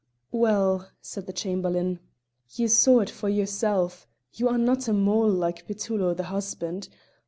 "Well," said the Chamberlain, "you saw it for yourself; you are not a mole like Petullo the husband.